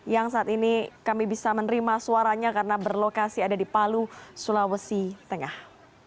yang saat ini kami bisa menerima suaranya karena berlokasi ada di palu sulawesi tengah